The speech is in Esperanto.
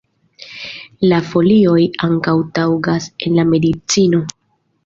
La folioj ankaŭ taŭgas en la medicino.